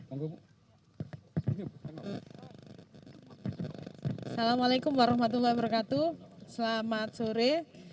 assalamualaikum warahmatullahi wabarakatuh selamat sore